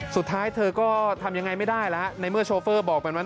สุดท้ายเธอก็ทำยังไงไม่ได้แล้วในเมื่อโชเฟอร์บอกเป็นว่า